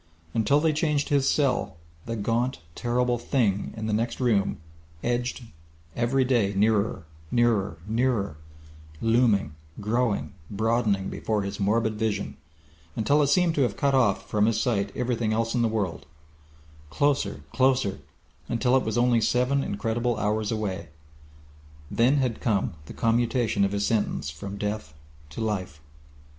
Until they changed his cell, the gaunt, terrible Thing in the next room edged every day nearer, nearer, nearer, looming, growing, broadening before his morbid vision until it seemed to have cut off from his sight everything else in the world closer, closer until it was only seven incredible hours away! Then had come the commutation of his sentence from death to life!